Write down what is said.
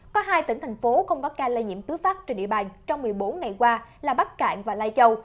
có hai tỉnh thành phố không có ca lây nhiễm tứ phát trên địa bàn trong một mươi bốn ngày qua là bắc cạn và lai châu